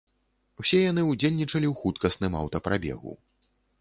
Усе яны ўдзельнічалі ў хуткасным аўтапрабегу.